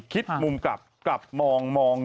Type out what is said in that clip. คิดมุมกลับกลับมอง